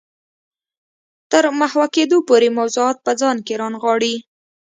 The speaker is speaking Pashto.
تر محوه کېدو پورې موضوعات په ځان کې رانغاړي.